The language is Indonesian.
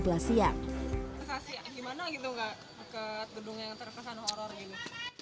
gimana gitu enggak dekat gedung yang terkesan horor ini